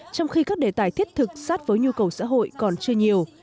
trong khi các đề tài thiết thực sát với nhu cầu xã hội còn chưa nhiều